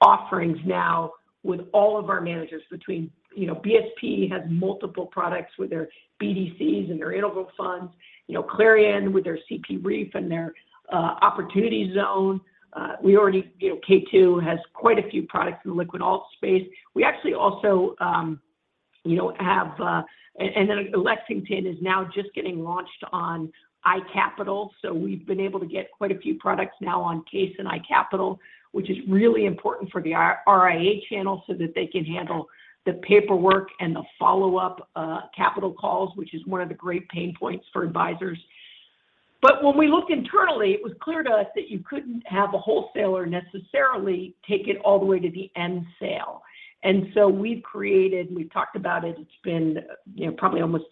offerings now with all of our managers between, you know, BSP has multiple products with their BDCs and their interval funds, you know, Clarion with their CP Reef and their opportunity zone. We already You know, K2 has quite a few products in the liquid alt space. We actually also, you know, have. Then Lexington is now just getting launched on iCapital. We've been able to get quite a few products now on CAIS and iCapital, which is really important for the RIA channel so that they can handle the paperwork and the follow-up, capital calls, which is one of the great pain points for advisors. When we looked internally, it was clear to us that you couldn't have a wholesaler necessarily take it all the way to the end sale. We've created, we've talked about it's been, you know,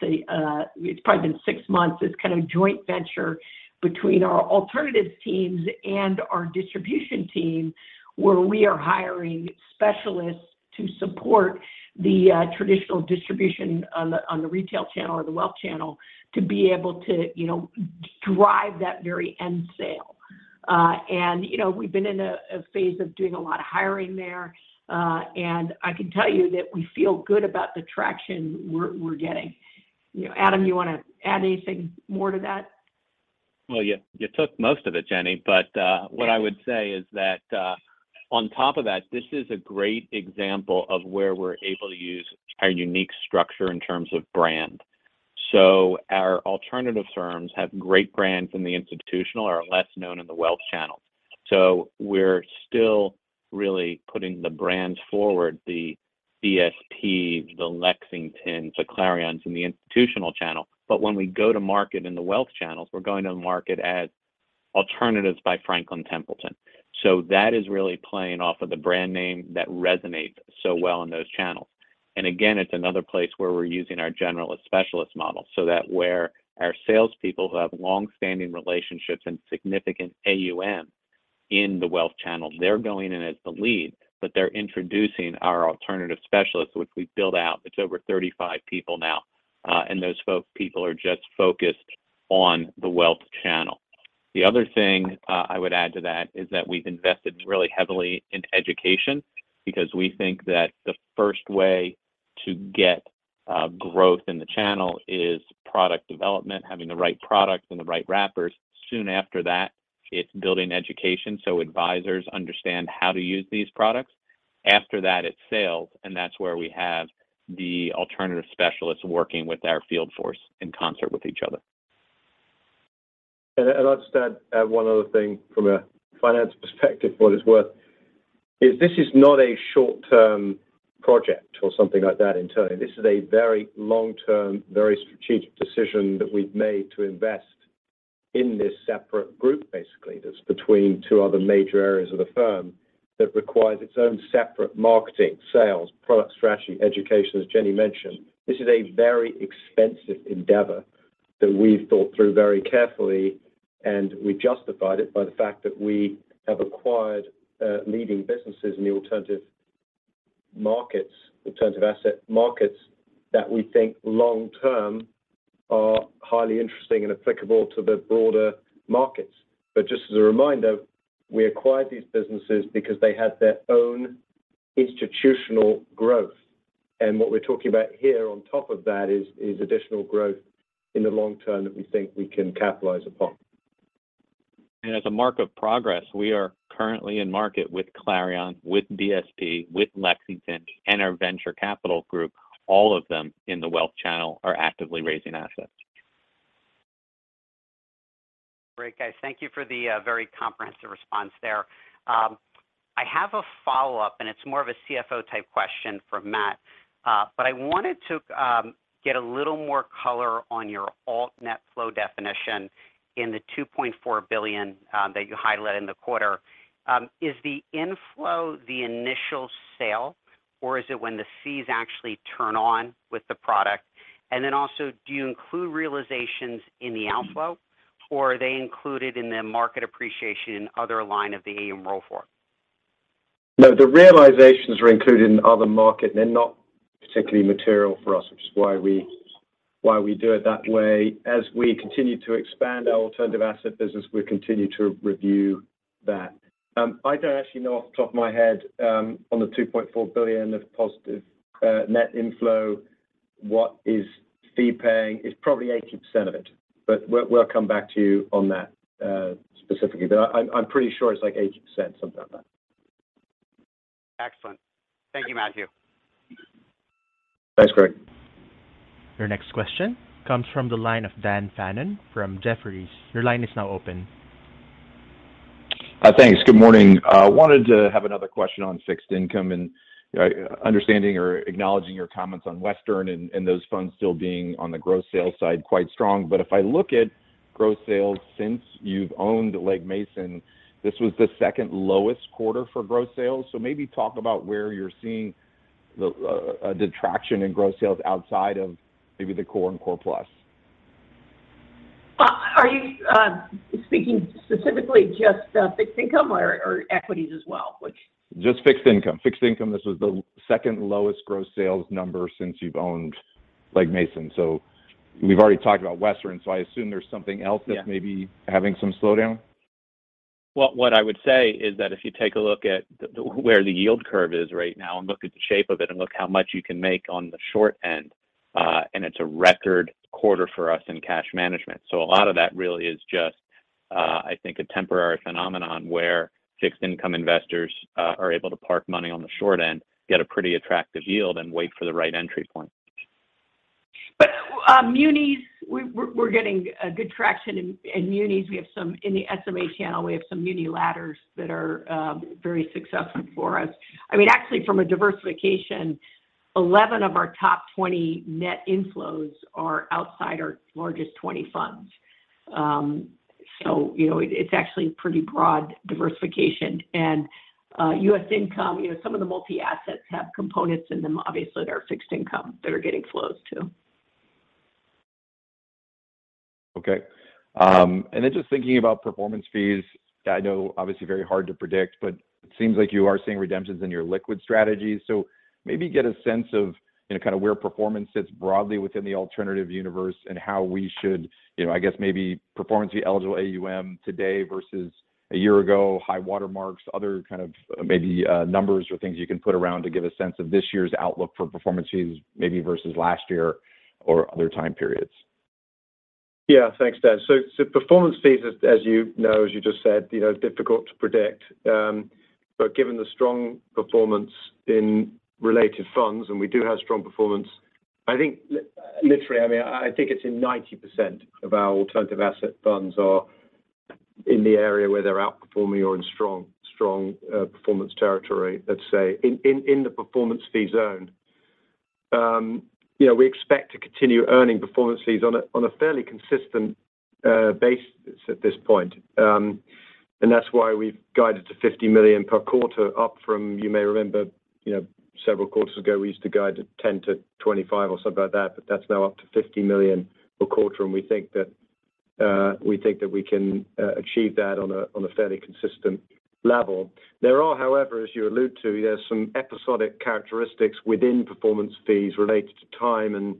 it's probably been six months. It's kind of joint venture between our alternatives teams and our distribution team, where we are hiring specialists to support the traditional distribution on the retail channel or the wealth channel to be able to, you know, drive that very end sale. You know, we've been in a phase of doing a lot of hiring there. I can tell you that we feel good about the traction we're getting. You know, Adam, you wanna add anything more to that? Well, you took most of it, Jenny. What I would say is that on top of that, this is a great example of where we're able to use our unique structure in terms of brand. Our alternative firms have great brands in the institutional are less known in the wealth channel. We're still really putting the brands forward, the BSP, the Lexingtons, the Clarions in the institutional channel. When we go to market in the wealth channels, we're going to market as alternatives by Franklin Templeton. That is really playing off of the brand name that resonates so well in those channels. Again, it's another place where we're using our generalist specialist model, so that where our salespeople who have long-standing relationships and significant AUM in the wealth channel, they're going in as the lead, but they're introducing our alternative specialists, which we've built out. It's over 35 people now. And those people are just focused on the wealth channel. The other thing, I would add to that is that we've invested really heavily in education because we think that the first way to get growth in the channel is product development, having the right products and the right wrappers. Soon after that, it's building education so advisors understand how to use these products. After that, it's sales, and that's where we have the alternative specialists working with our field force in concert with each other. I'll just add one other thing from a finance perspective, for what it's worth, is this is not a short-term project or something like that internally. This is a very long-term, very strategic decision that we've made to invest in this separate group, basically, that's between two other major areas of the firm that requires its own separate marketing, sales, product strategy, education, as Jenny mentioned. This is a very expensive endeavor that we've thought through very carefully, and we justified it by the fact that we have acquired leading businesses in the alternative markets, alternative asset markets that we think long term. Are highly interesting and applicable to the broader markets. Just as a reminder, we acquired these businesses because they had their own institutional growth. What we're talking about here on top of that is additional growth in the long term that we think we can capitalize upon. As a mark of progress, we are currently in market with Clarion, with BSP, with Lexington, and our venture capital group. All of them in the wealth channel are actively raising assets. Great, guys. Thank you for the very comprehensive response there. I have a follow-up, and it's more of a CFO type question for Matt. But I wanted to get a little more color on your alt net flow definition in the $2.4 billion that you highlighted in the quarter. Is the inflow the initial sale, or is it when the Cs actually turn on with the product? Then also, do you include realizations in the outflow, or are they included in the market appreciation other line of the AUM roll-forward? No. The realizations are included in other market, and they're not particularly material for us, which is why we, why we do it that way. As we continue to expand our alternative asset business, we continue to review that. I don't actually know off the top of my head on the $2.4 billion of positive net inflow, what is fee paying. It's probably 80% of it, but we'll come back to you on that specifically. I'm pretty sure it's like 80%, something like that. Excellent. Thank you, Matthew. Thanks, Greg. Your next question comes from the line of Daniel Fannon from Jefferies. Your line is now open. Thanks. Good morning. Wanted to have another question on fixed income and understanding or acknowledging your comments on Western and those funds still being on the gross sales side, quite strong. If I look at gross sales since you've owned Legg Mason, this was the second lowest quarter for gross sales. Maybe talk about where you're seeing a detraction in gross sales outside of maybe the Core and Core Plus. Are you speaking specifically just fixed income or equities as well? Just fixed income. Fixed income, this was the second lowest gross sales number since you've owned Legg Mason. We've already talked about Western, so I assume there's something else. Yeah. That's maybe having some slowdown. Well, what I would say is that if you take a look at the, where the yield curve is right now and look at the shape of it and look how much you can make on the short end, and it's a record quarter for us in cash management. A lot of that really is just, I think a temporary phenomenon where fixed income investors are able to park money on the short end, get a pretty attractive yield and wait for the right entry point. Munis, we're getting a good traction in munis. In the SMA channel, we have some muni ladders that are very successful for us. I mean, actually from a diversification, 11 of our top 20 net inflows are outside our largest 20 funds. You know, it's actually pretty broad diversification. U.S. income, you know, some of the multi-assets have components in them. Obviously, they're fixed income that are getting flows, too. Okay. Then just thinking about performance fees, I know obviously very hard to predict, but it seems like you are seeing redemptions in your liquid strategies. Maybe get a sense of, you know, kind of where performance sits broadly within the alternative universe and how we should, you know, I guess maybe performance fee eligible AUM today versus a year ago, high water marks, other kind of maybe numbers or things you can put around to give a sense of this year's outlook for performance fees maybe versus last year or other time periods. Thanks, Dan. Performance fees, as you know, as you just said, you know, difficult to predict. Given the strong performance in related funds, and we do have strong performance, I think literally, I mean, I think it's in 90% of our alternative asset funds are in the area where they're outperforming or in strong performance territory, let's say, in the performance fee zone. You know, we expect to continue earning performance fees on a fairly consistent basis at this point. That's why we've guided to $50 million per quarter up from, you may remember, you know, several quarters ago, we used to guide to $10 million-$25 million or something like that's now up to $50 million per quarter. We think that we can achieve that on a fairly consistent level. There are, however, as you allude to, there's some episodic characteristics within performance fees related to time and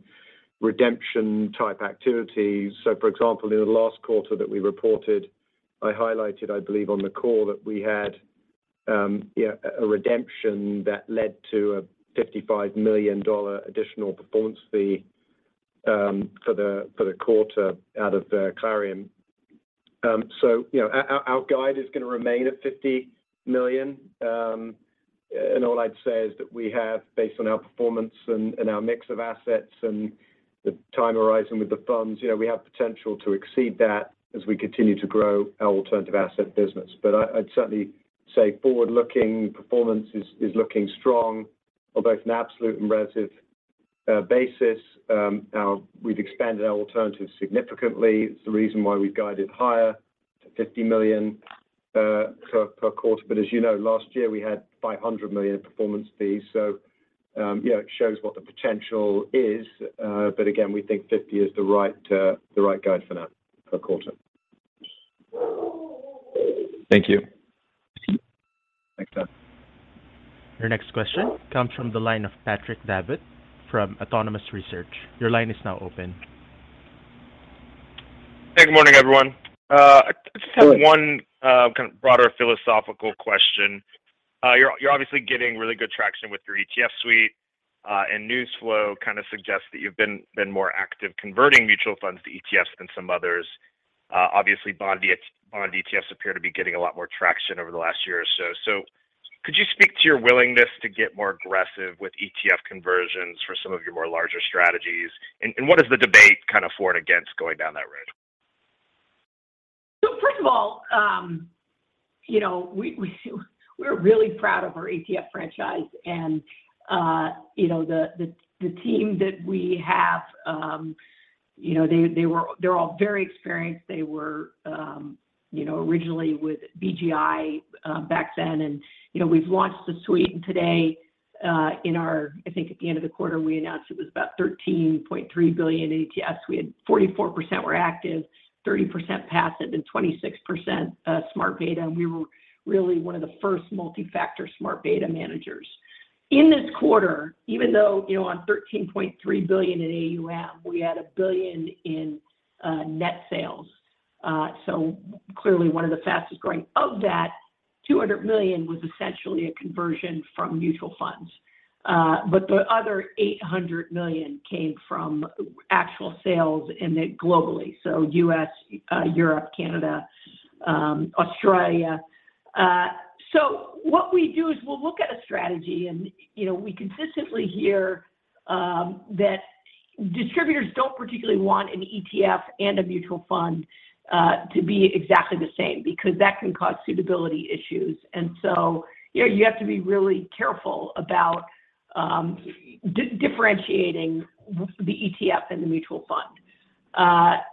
redemption type activities. For example, in the last quarter that we reported, I highlighted, I believe, on the call that we had a redemption that led to a $55 million additional performance fee for the quarter out of the Clarion. You know, our guide is gonna remain at $50 million. All I'd say is that we have based on our performance and our mix of assets and the time horizon with the funds, you know, we have potential to exceed that as we continue to grow our alternative asset business. I'd certainly say forward-looking performance is looking strong, both an absolute and relative basis. Now we've expanded our alternatives significantly. It's the reason why we've guided higher to $50 million per quarter. As you know, last year we had $500 million in performance fees. Yeah, it shows what the potential is. Again, we think $50 is the right guide for that per quarter. Thank you. Thanks, Dan. Your next question comes from the line of Patrick Davitt from Autonomous Research. Your line is now open. Hey, good morning, everyone. I just have one kind of broader philosophical question. You're obviously getting really good traction with your ETF suite, news flow kind of suggests that you've been more active converting mutual funds to ETFs than some others. Obviously bond ETFs appear to be getting a lot more traction over the last year or so. Could you speak to your willingness to get more aggressive with ETF conversions for some of your more larger strategies? What is the debate kind of for and against going down that road? First of all, you know, we, we're really proud of our ETF franchise and, you know, the, the team that we have, you know, they're all very experienced. They were, you know, originally with BGI back then and, you know, we've launched a suite. Today, I think at the end of the quarter, we announced it was about $13.3 billion in ETFs. We had 44% were active, 30% passive, and 26% smart beta. We were really one of the first multi-factor smart beta managers. In this quarter, even though, you know, on $13.3 billion in AUM, we had $1 billion in net sales. Clearly one of the fastest-growing. Of that, $200 million was essentially a conversion from mutual funds. The other $800 million came from actual sales globally, so U.S., Europe, Canada, Australia. What we do is we'll look at a strategy and, you know, we consistently hear that distributors don't particularly want an ETF and a mutual fund to be exactly the same because that can cause suitability issues. You know, you have to be really careful about differentiating the ETF and the mutual fund.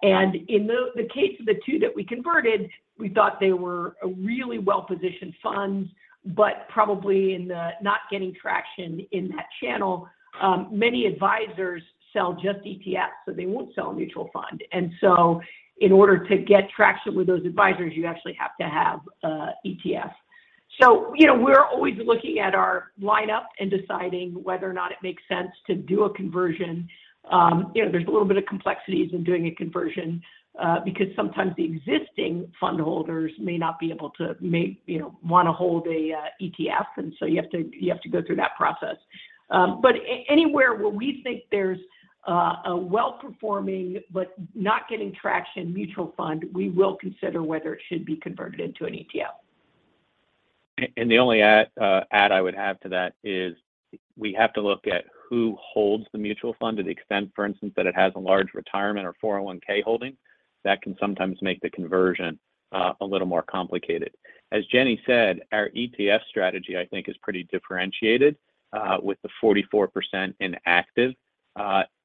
In the case of the two that we converted, we thought they were really well-positioned funds, but probably in the not getting traction in that channel. Many advisors sell just ETFs, so they won't sell a mutual fund. In order to get traction with those advisors, you actually have to have ETFs. You know, we're always looking at our lineup and deciding whether or not it makes sense to do a conversion. You know, there's a little bit of complexities in doing a conversion, because sometimes the existing fund holders may not be able to, you know, wanna hold a ETF. You have to go through that process. Anywhere where we think there's, a well-performing but not getting traction mutual fund, we will consider whether it should be converted into an ETF. The only add I would have to that is we have to look at who holds the mutual fund to the extent, for instance, that it has a large retirement or 401(k) holding. That can sometimes make the conversion a little more complicated. As Jenny said, our ETF strategy, I think, is pretty differentiated with the 44% in active.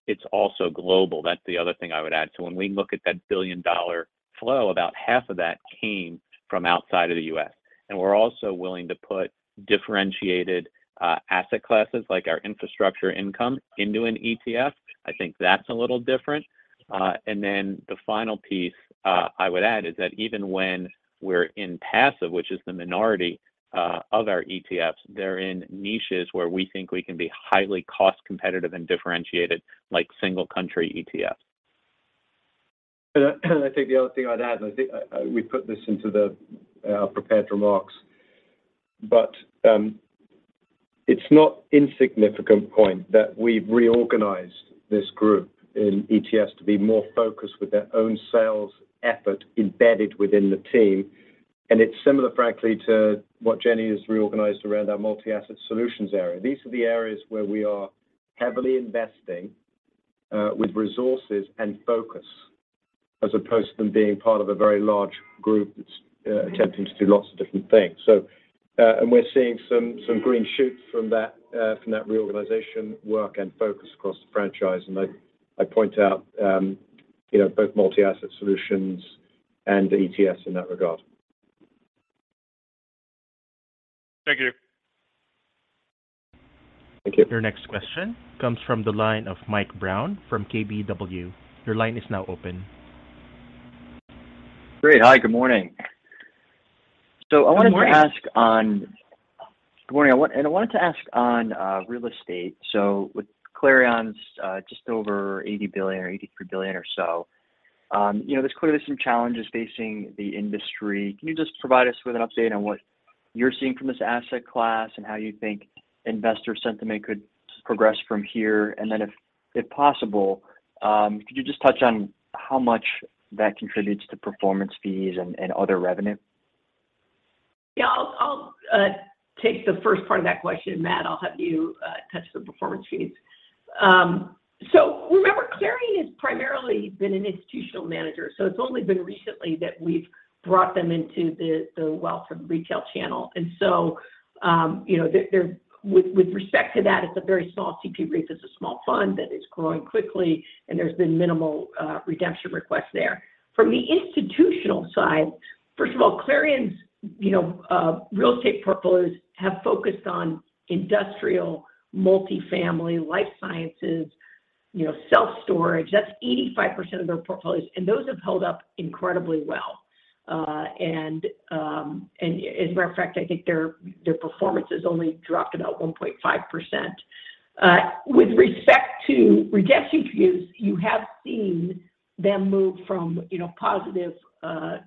It's also global. That's the other thing I would add. When we look at that billion-dollar flow, about half of that came from outside of the U.S. We're also willing to put differentiated asset classes like our Infrastructure Income into an ETF. I think that's a little different. The final piece, I would add is that even when we're in passive, which is the minority of our ETFs, they're in niches where we think we can be highly cost competitive and differentiated, like single country ETFs. I think the other thing I'd add, I think we put this into the prepared remarks, but it's not insignificant point that we've reorganized this group in ETFs to be more focused with their own sales effort embedded within the team. It's similar, frankly, to what Jenny has reorganized around our multi-asset solutions area. These are the areas where we are heavily investing with resources and focus, as opposed to them being part of a very large group that's attempting to do lots of different things. We're seeing some green shoots from that from that reorganization work and focus across the franchise. I point out, you know, both multi-asset solutions and the ETFs in that regard. Thank you. Thank you. Your next question comes from the line of Michael Brown from KBW. Your line is now open. Great. Hi, good morning. Good morning. I wanted to ask on. Good morning. I wanted to ask on real estate. With Clarion's, just over $80 billion or $83 billion or so, you know, there's clearly some challenges facing the industry. Can you just provide us with an update on what you're seeing from this asset class and how you think investor sentiment could progress from here? If, if possible, could you just touch on how much that contributes to performance fees and other revenue? Yeah. I'll take the first part of that question. Matt, I'll have you touch the performance fees. Remember Clarion has primarily been an institutional manager, so it's only been recently that we've brought them into the wealth and retail channel. You know, with respect to that, it's a very small CP reef. It's a small fund that is growing quickly, and there's been minimal redemption requests there. From the institutional side, first of all, Clarion's, you know, real estate portfolios have focused on industrial, multifamily, life sciences. You know, self-storage, that's 85% of their portfolios, and those have held up incredibly well. As a matter of fact, I think their performance has only dropped about 1.5%. With respect to redemption queues, you have seen them move from, you know, positive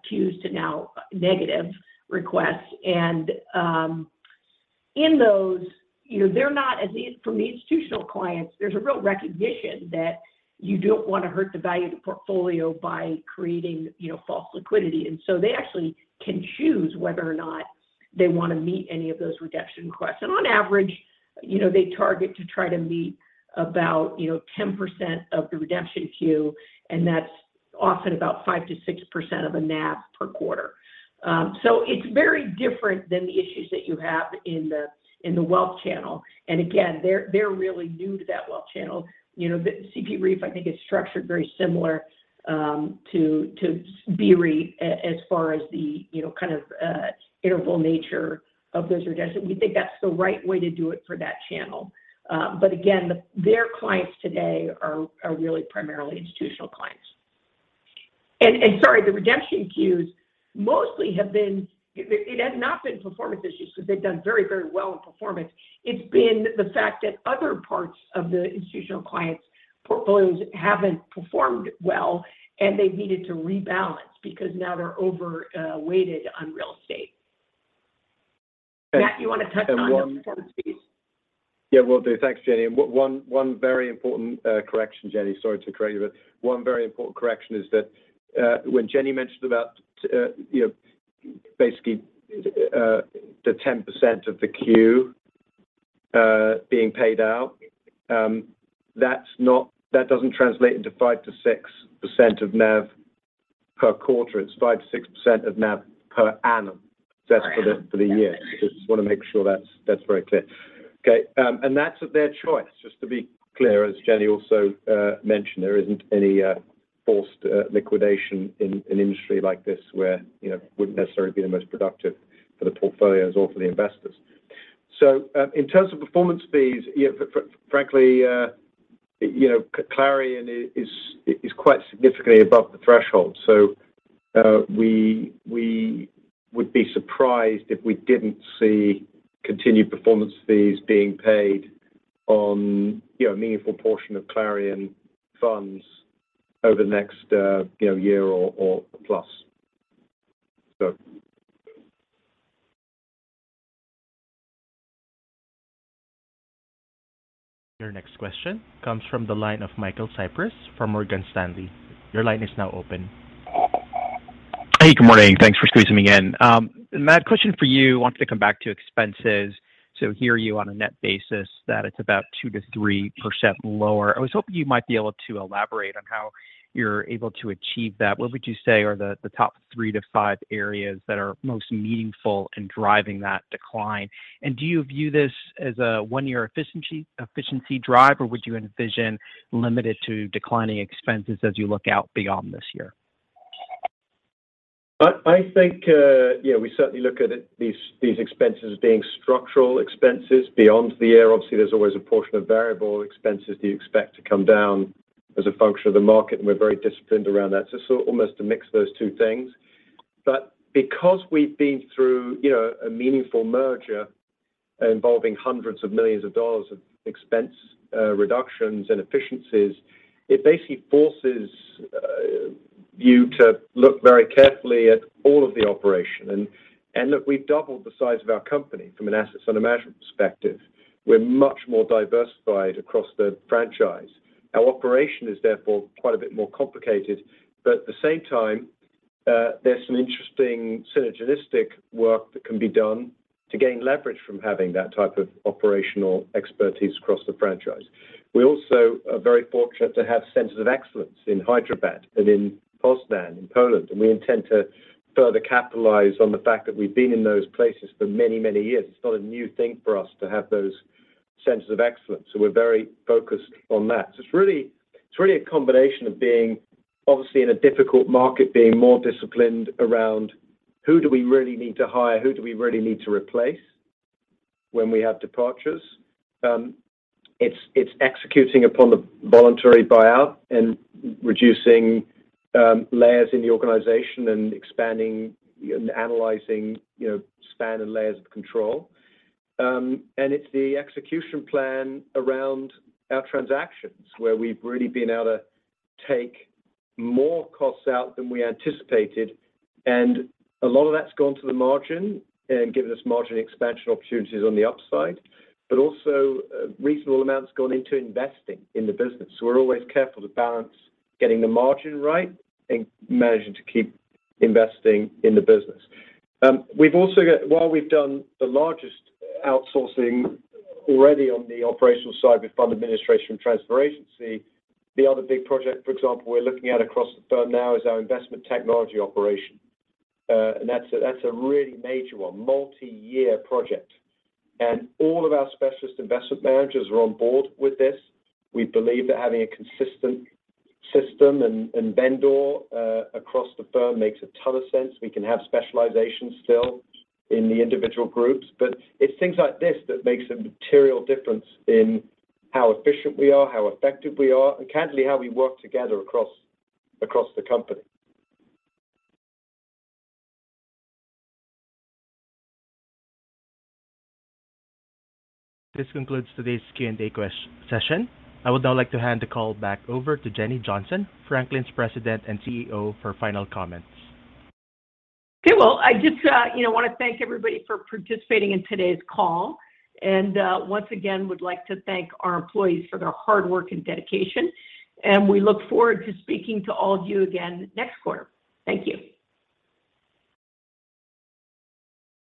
queues to now negative requests. In those, you know, they're not as easy for institutional clients, there's a real recognition that you don't wanna hurt the value of the portfolio by creating, you know, false liquidity. They actually can choose whether or not they wanna meet any of those redemption requests. On average, you know, they target to try to meet about, you know, 10% of the redemption queue, and that's often about 5%-6% of a NAV per quarter. So it's very different than the issues that you have in the wealth channel. Again, they're really new to that wealth channel. You know, the CP Reef, I think is structured very similar to BREIT as far as the, you know, kind of, interval nature of those redemptions. We think that's the right way to do it for that channel. Again, their clients today are really primarily institutional clients. Sorry, the redemption queues mostly have been. It had not been performance issues because they've done very, very well in performance. It's been the fact that other parts of the institutional clients' portfolios haven't performed well, and they've needed to rebalance because now they're over weighted on real estate. Matt, you wanna touch on the performance piece? Yeah, will do. Thanks, Jenny. One very important correction, Jenny. Sorry to correct you, but one very important correction is that when Jenny mentioned about, you know, basically, the 10% of the queue being paid out, that doesn't translate into 5%-6% of NAV per quarter. It's 5%-6% of NAV per annum. That's for the year. Just wanna make sure that's very clear. Okay, that's of their choice. Just to be clear, as Jenny also mentioned, there isn't any forced liquidation in an industry like this where, you know, wouldn't necessarily be the most productive for the portfolios or for the investors. In terms of performance fees, yeah, frankly, you know, Clarion is quite significantly above the threshold. we would be surprised if we didn't see continued performance fees being paid on, you know, a meaningful portion of Clarion funds over the next, you know, year or plus. Your next question comes from the line of Michael Cyprys from Morgan Stanley. Your line is now open. Hey, good morning. Thanks for squeezing me in. Matt, question for you. Wanted to come back to expenses. Hear you on a net basis that it's about 2%-3% lower. I was hoping you might be able to elaborate on how you're able to achieve that. What would you say are the top 3-5 areas that are most meaningful in driving that decline? Do you view this as a one year efficiency drive, or would you envision limited to declining expenses as you look out beyond this year? I think, yeah, we certainly look at it, these expenses being structural expenses beyond the year. Obviously, there's always a portion of variable expenses you expect to come down as a function of the market, and we're very disciplined around that. Almost a mix of those two things. Because we've been through, you know, a meaningful merger involving hundreds of millions of dollars of expense reductions and efficiencies, it basically forces you to look very carefully at all of the operation. Look, we've doubled the size of our company from an assets under management perspective. We're much more diversified across the franchise. Our operation is therefore quite a bit more complicated. At the same time, there's some interesting synergistic work that can be done to gain leverage from having that type of operational expertise across the franchise. We also are very fortunate to have centers of excellence in Hyderabad and in Poznań, in Poland, and we intend to further capitalize on the fact that we've been in those places for many, many years. It's not a new thing for us to have those centers of excellence, so we're very focused on that. It's really a combination of being obviously in a difficult market, being more disciplined around who do we really need to hire, who do we really need to replace when we have departures. It's executing upon the voluntary buyout and reducing layers in the organization and expanding and analyzing, you know, span and layers of control. It's the execution plan around our transactions where we've really been able to take more costs out than we anticipated, and a lot of that's gone to the margin and given us margin expansion opportunities on the upside, but also reasonable amounts gone into investing in the business. We're always careful to balance getting the margin right and managing to keep investing in the business. We've also got While we've done the largest outsourcing already on the operational side with Fund Administration and Transfer Agency, the other big project, for example, we're looking at across the firm now is our investment technology operation. That's a really major one, multi-year project. All of our specialist investment managers are on board with this. We believe that having a consistent system and vendor across the firm makes a ton of sense. We can have specializations still in the individual groups, but it's things like this that makes a material difference in how efficient we are, how effective we are, and candidly, how we work together across the company. This concludes today's Q&A session. I would now like to hand the call back over to Jenny Johnson, Franklin Resources' President and CEO, for final comments. Okay, well, I just, you know, wanna thank everybody for participating in today's call and, once again would like to thank our employees for their hard work and dedication, and we look forward to speaking to all of you again next quarter. Thank you.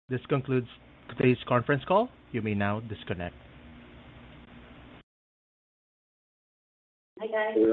This concludes today's conference call. You may now disconnect. Bye, guys.